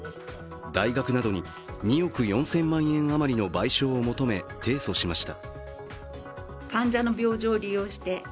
大学などに２億４０００万円余りの賠償を求め提訴しました。